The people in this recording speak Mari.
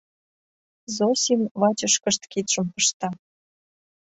— Зосим вачышкышт кидшым пышта.